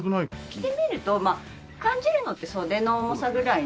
着てみるとまあ感じるのって袖の重さぐらいなので全然。